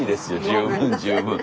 十分十分。